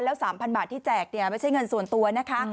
แล้ว๓๐๐บาทที่แจกเนี่ยไม่ใช่เงินส่วนตัวนะคะ